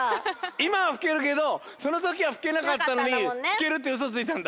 いまはふけるけどそのときはふけなかったのにふけるってウソついたんだ。